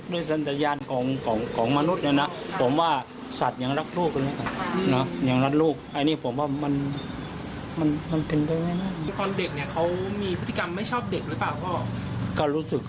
ด้วยสัญญาณของมนุษย์เนี่ยนะผมว่าสัตว์ยังรักลูกเลยนะยังรักลูก